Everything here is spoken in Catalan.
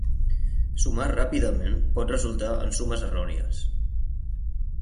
Sumar ràpidament pot resultar en sumes errònies.